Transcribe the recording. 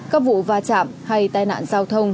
các vụ va chạm hay tai nạn giao thông